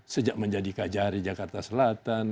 sejak menjadi kajari jakarta selatan